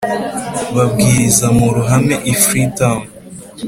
Babwiriza mu ruhame i freetown